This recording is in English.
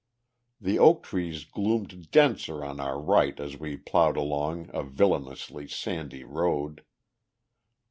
The oak trees gloomed denser on our right as we plowed along a villainously sandy road.